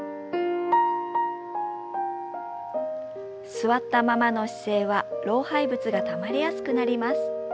座ったままの姿勢は老廃物がたまりやすくなります。